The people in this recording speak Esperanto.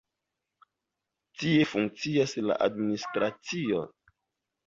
Tie funkcias la administracio.